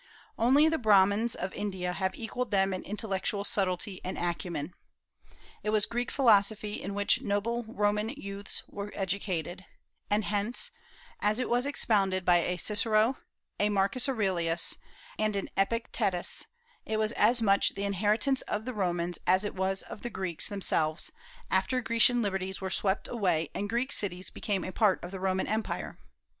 Only the Brahmans of India have equalled them in intellectual subtilty and acumen. It was Greek philosophy in which noble Roman youths were educated; and hence, as it was expounded by a Cicero, a Marcus Aurelius, and an Epictetus, it was as much the inheritance of the Romans as it was of the Greeks themselves, after Grecian liberties were swept away and Greek cities became a part of the Roman empire.